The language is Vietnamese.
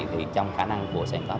trong khả năng của semcop